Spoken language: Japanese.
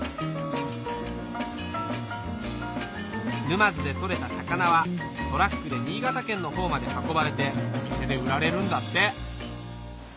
沼津で取れた魚はトラックで新潟県の方まで運ばれてお店で売られるんだって新潟行っちゃう？